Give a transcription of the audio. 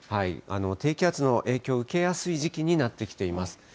低気圧の影響を受けやすい時期になってきています。